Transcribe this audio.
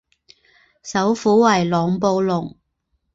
首府为朗布隆。